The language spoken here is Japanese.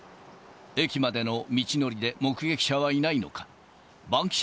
駅までの道のりで目撃者はいないのか。